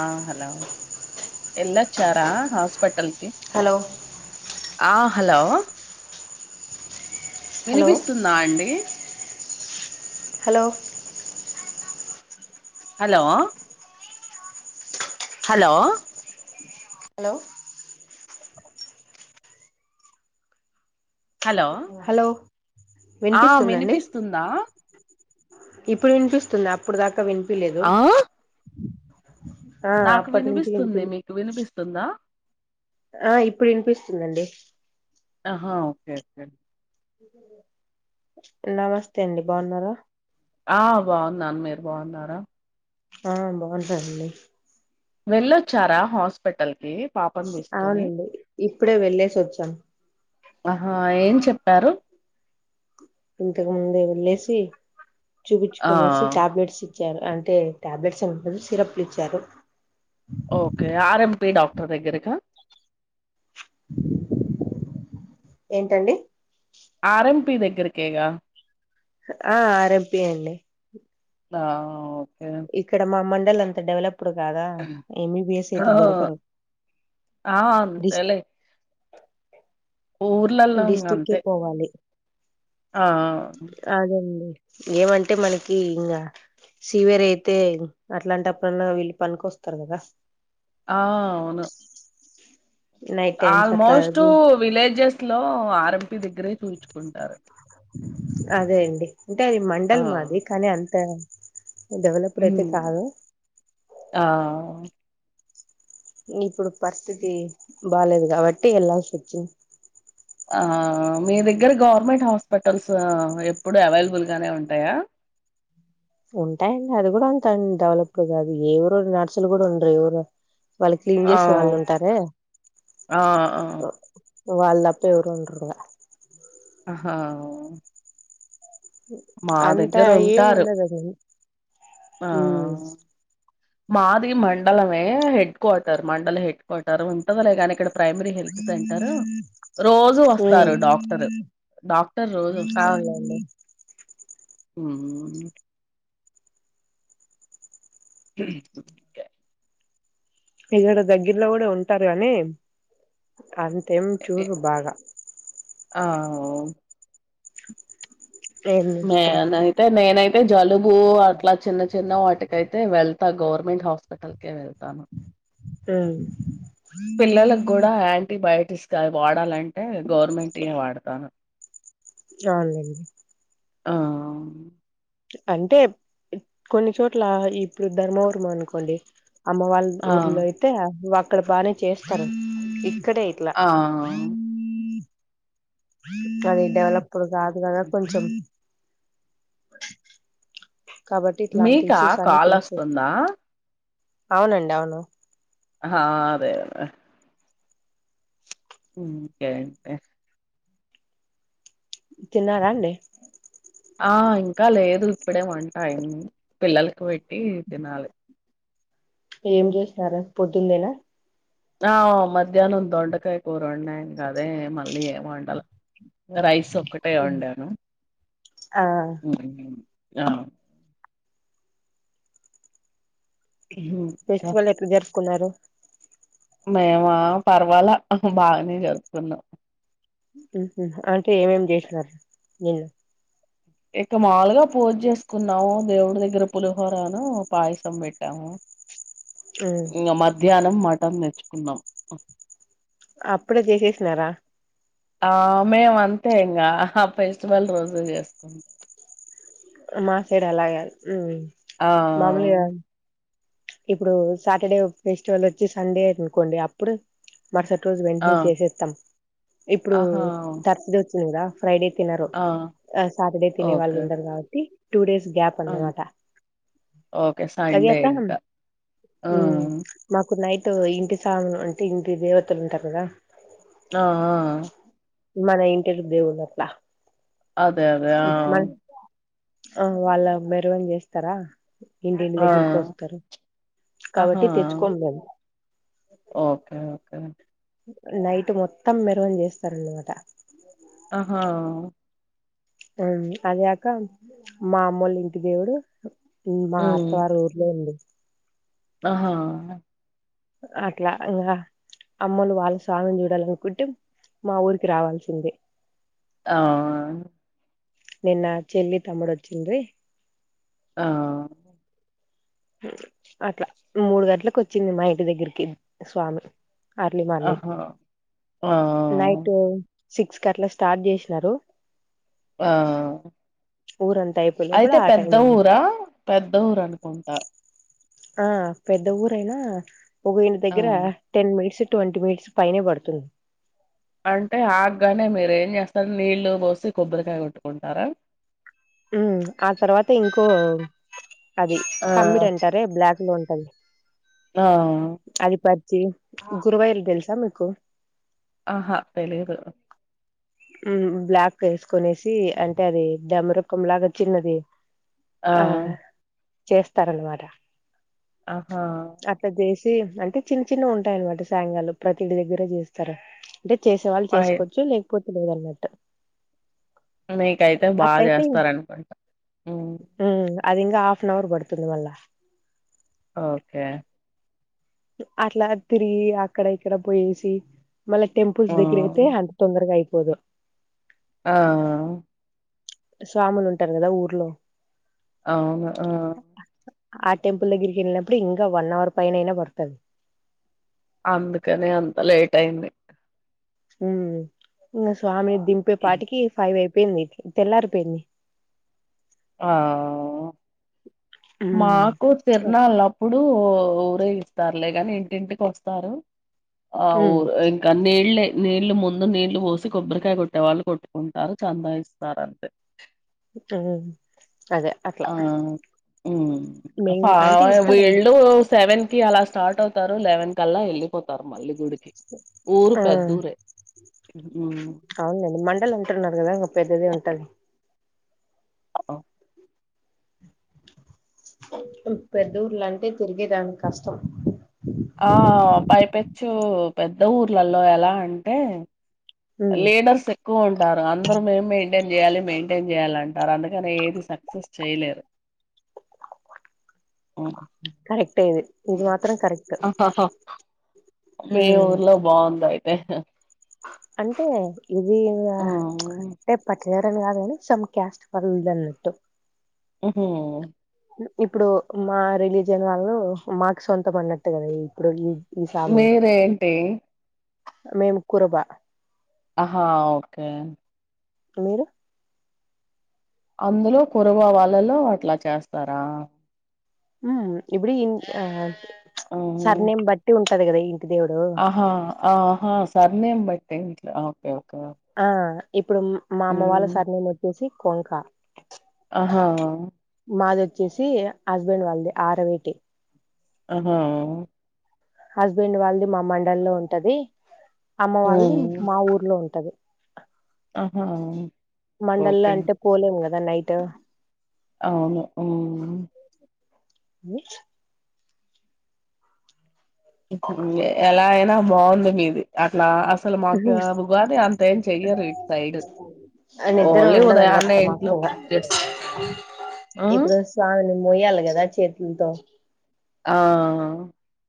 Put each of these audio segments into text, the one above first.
ఆ హలో ఎల్లచ్చారా హాస్పిటకీ హలో అ. హలో. హలో వినిపిస్తుందా అండి. Hello. Hello. Hello hello hello hello ఆ వినిపిస్తుందండి వినిపిస్తుందా ఇప్పుడు వినిపిస్తుంది అప్పుడు దాకా వి లేదు ఆ నాకు వినిపిస్తుంది వినిపి మీకు వినిపిస్తుందా ఆ ఇప్పుడు వినిపిస్తుందండి అహా ఓకే కే ఉ నమస్తే అండి బాగున్నారా ఆ బాగున్నా ఆ మీరు బాగున్నారా ఆ బాగున్నా అండి వెళ్ళొచ్చారా హాస్పిటల్ కి పాపను తీసుకొని అవునండి ఇప్పుడే వెళ్లేేసి వచ్చాం ఆహా ఏం చెప్పారు ఇంతకు ముందు వెళ్లేసి ఆ చూపించుకునేసి టాబ్లెట్స్ ఇచ్చారు అన్ అంటే టాబ్లెట్స్ సిరప్లు ఇచ్చారు ఓకే ఆర్ఎంపి డాక్టర్ దగ్గరకా ఏంటండి ఆర్ఎంపి దగ్గరకేగా ఆ అర్ ఎం పి ఎ అండి ఆ ఓకే ఇక్కడ మమలి అంత డెవలప్ ఇప్పుడు కాదా ఎంబీబిఎస్ అయితే దొరకరు ఆ అంతేలే ఊర్లలో ఇంగ డిస్టిక్కే అంతే పోవాలి ఆ అదండి ఏమంటే మనకి ఇంగా సివియర్ అయితే అట్లాంటప్పుడన్నా వీళ్ళు పనికొస్తారు కదా ఆ అవును నైట్ టైమ్స్ అట్లా ఆల్మోస్ట్ అది విలేజెస్ లో ఆర్ఎంపి దగ్గరే చూయించుకుంటారు అదే అండి అంటే అది ఆ మండల్ మాది కానీ అంత డెవేలపుడు అయితే ఉమ్ కాదు ఆ ఇప్పుడు పరిస్థితి బాలేేదు కాబట్టి వెళ్లాాల్సి వచ్చింది మీ దగ్గర గవర్నమెంట్ హాస్పిటల్స్ ఎప్పుడు అవైలబుల్గానే ఉంటాయా. ఉంటాయండి అది కూడా అంతాంత డెవలపుడు కాదు ఏవరు నర్సులు కూడా ఉండరు ఎవరు. వాళ్ళు క్లీన్ ఆ చేసే వాళ్ళు ఉంటారే ఆ ఆ వాళ్ళ అంతోరు ఉండరు గద ఆ అంతా ఏం ఉంటారు ఉండదుఅసలు ఆ ఉ మాది మండలమే హెడ్ క్వార్టర్ మండల హెడ్ క్వార్టర్ ఉంటదలేగాని ఇక్కడ ప్రైమరీ హెల్త్ సెంటరు రోజు ఉమ్ వస్తారు డాక్టరు డాక్టర్ రోజు వస్తారు అవునండి ఉ ఇక్కడ దగ్జిర్లో కూడా ఉంటారు కానీ అంతేం చూరు బాగా ఆ ఏం చేస్తాం మేన్ అయితే నేనైతే జలుబు అట్లా చిన్న చిన్న వాటికైతే వెళ్తా గవనమెంట్ హాస్పిటల్ కే వెళ్తా అ పిల్లలకు కూడా యాంటీబయోటిక్ స్ ఇస్తా వాడాలంటే గవర్నమెంట్ ఏ వాడతాను. చాల్లేడి ఆ అంటే కొన్ని చోట్ల ఇప్పుడు ధర్మవరం అనుకోండి అమ్మ వాళ్ళ ఆ ఊర్లో అయితే ఇక్కడ బానే చేస్తారు ఈ కడ యిట్లా ఆ కానీ డెవలప్ ఇప్పుడు కాదు కదా ఓకే. కొంచెం కాబట్టి ఇట్లాంటి మీకా ఇష్యూస్ అన్ని కాల్ ఫేస్ చేస్ వస్తుందా అవునండి అవును ఆా అదే అదే ఉ ఓకే అయితే చిన్నారండి ఆ ఇంకా లేదు ఇప్పుడే వంటాయి పిల్లలకి పెట్టి తినాలి. ఏం చేసినార పొద్దుందేనా ఆ మధ్యాహ్నం దొండకాయ కూర ఉంన్నాయను కదే మళ్ళీ ఏం వండాల రైసు. ఒకటయి ఒండాను ఆ మ్ ఆ ఇంకా ఫెస్టివల్ ఎట్ల జర్ కున్నారు మేవా పర్వాలా బాగానే జరుపుకున్నాం హ్మ్ హ్మ్ హ ఏ ఏమేం చేసినారు నిన్ను ఇక మావూలుగా పూజ చేసుకున్నాము దేవుడి దగ్గర పులిహోరాను పాయసం పెట్టాము ఉమ్ ఇంగ మధ్యాహ్నం మా అం నేర్చుకుందాం అప్పుడే చేసేసినారా ఆ మేము అంతే ఇంకా ఆ ఫెస్టివల్ రోజు చేసుకుంటా మా సైడ్ అలా గాదు ఉం ఆ ఇప్పుడు సాటర్డే ఫెస్టివల్ వచ్చి సండే అనుకోండి అప్పుడు మరుసటి రోజు ఆ వెంటనే చేసేస్తాం ఇప్పుడు ఆహా తరస్దే రా ఫ్రైడే తినరు ఆ సాటర్డే తినే వాళ్ళు ఓకే ఉండరు కాబట్టి టూడేస్ గ్యాప్ ఆ! అన్న మాటా ఓకే సండే ఇంకా మ్ ఆ మాకు నైట్ ట్ ఇంటి సామాను అంటే ఇంటి దేవతలు ఉంటారు కదా ఆ ఆ మన ఇంటి కి దేవుళ్ళు అట్ల అదే అదే ఆ ఆ వాళ్ళ మెరివిని చేస్తారా ఇంటింటి ఆ! దగ్గరికి ఒస్తరు ఆహా! కాబట్టి తెచ్చుకోం మేం ఓకే ఓకే నైట్ మొత్తం మెరవని చేస్తారున్నమాట ఆహా అది కాక మా అమ్మోలు ఇంటి దేవుడు మా అత్తవారి ఊర్లో అండి ఆ హా అట్లా ఇంకా అమ్మలు వాళ్ళ స్వామీ నీ చూడాలనుకుంటే మా ఊరికి రావాల్సిందే ఆ నిన్న చెల్లి తమ్ముడుొచ్చిరీ ఆ అట్లా మూడు గంటలలకు వచ్చింది మా ఇంటి దగ్గరికి స్వామి అర్లీ మార్నింగ్ ఆహా! ఆ! నైట్ సిక్స్ కి అట్లా స్టార్ట్ చేసినారు ఆ ఊరంతా అయిపోయే లోపల అయితే ఆ టైం పెద్ద అయింది ఊరా పెద్ద ఊరనుకుంటా ఆ పెద్ద ఊరైనా ఒక ఇంటి ఆ! దగ్గర టెన్ మినిట్స్ ట్వంటీ మినిట్స్ పైనే పడుతుంది అంటే ఆగగానే మీరు ఏం చేస్తారు నీళ్లు పోసి కొబ్బరికాయ కొట్టుకుంటారా ఉమ్ ఆ తర్వాత ఇంకో అది ఆ! కమ్మిడి అంటార బ్లాక్ లో ఉంటది ఆ! అది పరిచి గురువైలు తెలుస కు ఆహా తెలియదు బ్లాక్ వేసుకనేసి అంటే అది డెమ రకం లాగా వచ్చిందిది ఆ చేస్తారన్నమాట ఆహా అంటే చిన్న చిన్న ఉంటాయినమాట సాఘాలు ప్రతింటి దగ్గరే చేస్తారు అంటే చేసే వాళ్ళు అయి చేసుకోవచ్చు లే పొతుదల నట్టు నీకైతే బాగా చేస్తారనుకుంటా ఉమ్, అది ఇంకా హఫ్ అన్ అవర్ పడుతుంది మళ్ళా ఓకే అట్లా తిరిగి అక్కడ ఇక్కడ పోయేసి మళ్ళ ఆ! టెంపుల్స్గర అతేంతొందరగాయి పోద ఆ స్వాములు ఉంటారు కదా ఊర్లో అవును ఆ ఆ టెంపుల్ దగ్గరికి వెళ్ళినప్పుడు ఇంకా వన్ అవర్ పైన అయినా పడుతుది అందుకని అంత లేట్ అయింది ఉ ఇ స్వామి దంపేటికి ఫైవ్ అయి పెన్నిి ఇంత ఎలారు పన్నిి ఆ మాకు తిరనళ్ళప్పుడు ఉరే ఇస్తారులేగాని ఇంటింటికి వస్తారు ఆ ఉమ్ ఊరు ఇంకా నీళ్ళే నీళ్లు ముందు నీళ్లు పోసి కొబ్బరికాయ కొట్టేవాళ్ళు కొట్టుకుంటారు చందా ఇస్తారంతే ఆ ఆ హు మేం ప అంటే ఇస్తారని వీళ్ళు సెవెన్ కి అలా స్టార్ట్ అవుతారు లెవెన్ కల్లా వెళ్ళలిపోతారు మళ్ళ గుడి ఆ అవునండి మండల్ అంటున్నారు కదా ఇంగ పెద్దదే ఉంటది అ పెద్ద ఊర్ల అంటే తిరిగేదానికి కష్టం ఆ పైపెచ్చు పెద్ద ఊర్లలో ఎలా అంటే ఉమ్ లిడర్స్ ఎ ఎక్కువ ఉంటారు అందరం మేం మెయింటైన్ చేయాలి మెయింటైన్ చేయాలి అంటారు అందుకని ఏది సక్సెస్ చేయలేరు కరెక్టే ఇది మాత్రం కరెక్ట్ మీ ఉమ్ ఊర్లో బాగుంద [inaudible] అంటే ఇది ఉమ్. టె పట్ వేరని కాదు గని సేమ్ క్యాస్ట్ పడు ద్దన్నట్టు మ్ హు ఇప్పుడు మా రిలీజియన్ వాళ్ళు మాకు సొంతం అన్నట్టు కదా ఇప్పుడు ఈ ఈ సామి మీరేేంటి మేము కురుమ ఆహా ఓకే మీరు అందులో కురవ వాళ్ళలో అట్లా చేస్తారా ఉ ఇప్పుడు ఇ ఆ ఉహు సర్ నేమ్ బట్టి ఉం టది గద ఈ ఆహా ఆహా సర్ నేమ్ బట్ ట్ల ఓ ఆ ఇప్పుడు మా అమ్మ వాళ్ళ ఉమ్. సర్ నేమ్ వచ్చేసి కొంకా అహా మాదోచ్చేసి హస్బెండ్ వాల్దీ ఆరవిటీ అహా హస్బెండ్ వాల్దీ మా మండల్ లో ఉంటది అమ్మ వాళ్ళది ఉమ్ మా ఊర్లో ఉంటది ఆహా మండల్లో ఓకే అంటే పోలేము కదా నైట్ అవును! ఉహ్ [unintelligible] ఇప్పుడు ఎలా అయినా బావుంది మీది. అట్లా అసలు మాకు ఉగాది అంత ఏం చెయ్యరు ఇటు సైడ్ ఆయాన్ దగార ఓన్లీ ఉండదన్నమాట. ఉదయాన్నే ఇంట్లో మాకుగా పూజ చేస్తారు ఆ ఇప్పుడు స్వామిని మోయాలి కదా చేతుల్ తో ఆహ్ హ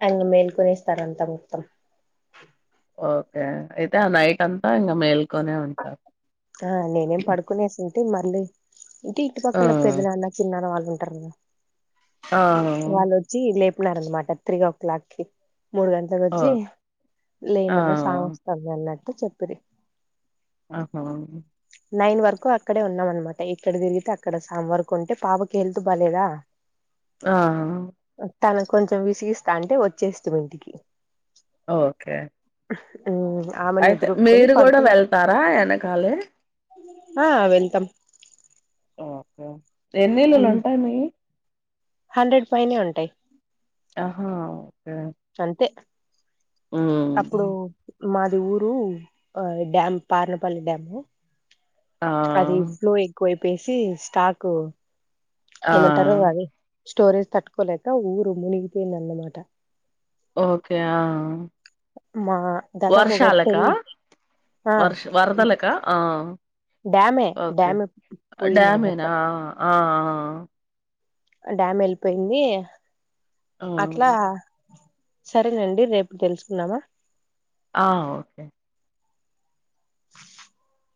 అయన్ మేల్కొనేస్తారు అంతా మొత్తం. ఓకే అండ్ అయితే ఆ నైట్ అంతా ఇంగా మేల్కొనే ఉంటారు. ఆహా నేనేం పడుకునేసి మర్లి ఇంటి ఇటు ఆ పక్కల పెద్దనాన్న, చినాన్న వాళ్ళు ఉం టార్గా ఆ వాళ్లొచ్చి లేప్ పున్నారన్నమాట త్రీ ఓ క్లాక్కి మూడు గంటలకు వచ్చి. ఓకే ఆ లేండి అమ్మా స్వమీ వస్తంది అన్నరూ ప్పు చెప్పుది ఆహ్ హా నైన్ వరకు అక్కడే ఉన్నాం. అనమాట ఎక్కడ తిరిగితే అక్కడ సాంవరకు ఉంటే. పాపకి ఎళ్తుూ బలేదా. ఆహ్ తను కొంచెం విసిగిస్తా అంటే. వచ్చేస్తిమి ఇంటికి. ఓకే ఆహ్ అయితే మీరు గూడా వెళ్తారా యేనకల్ కాాలే ఆ వెళ్తమ్ ఓకే ఎన్నిల్లులు హం ఉంటాయి మీయి హండ్రెడ్ పైన ఉం టాయి ఆహా ఓకే అంతే అప్పుడు మ్మ్ మాది ఊరు డ్యాం పారనపల్లి డ్యాము. ఆ అది ఫ్లో ఎక్కువైప్ పేసి స్టాకు ఆ ఏమంటారు. అది స్టోరేజ్ తట్టుకోలేక ఊరు మునిగిపోయిందన్నమాట. ఓకే ఆ మా దాదాపు ఒక వర్షాలకా టెన్ ఆ వర్ష్ వరదలకా ఆ డ్యామే ఓకే డ్యామే పోయింది డమేనా అన్నట్టు ఆ ఆ ఆ డ్యామ్ ఎళ్పోయింది ఆ అట్లా సరేనండి రేపుడు తెలుసుకున్నామా ఆ ఓకే [unintelligible]